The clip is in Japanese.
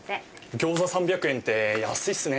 餃子３００円って安いっすね。